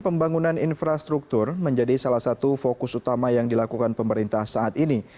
pembangunan infrastruktur menjadi salah satu fokus utama yang dilakukan pemerintah saat ini